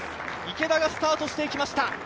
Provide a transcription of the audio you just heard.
池田がスタートしていきました。